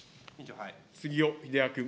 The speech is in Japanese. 杉尾秀哉君。